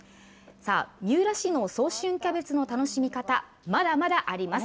さあ、三浦市の早春キャベツの楽しみ方、まだまだあります。